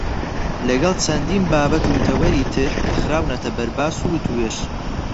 لەگەڵ چەندین بابەت و تەوەری تر کە خراونەتە بەرباس و وتووێژ.